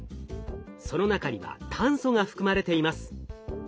その中には炭素が含まれています。